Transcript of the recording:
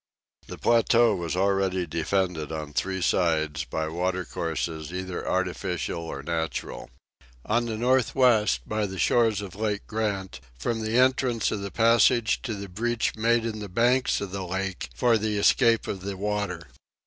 The plateau was already defended on three sides by water courses, either artificial or natural. On the northwest, by the shores of Lake Grant, from the entrance of the passage to the breach made in the banks of the lake for the escape of the water.